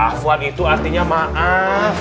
afuan itu artinya maaf